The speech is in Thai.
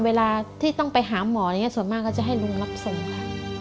เวลาที่ต้องไปหาหมออะไรอย่างนี้ส่วนมากก็จะให้ลุงรับส่งค่ะ